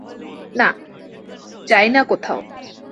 না, যাই না কোথাও।